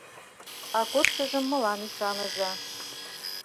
А кодшыжым мылам ӱшаныза!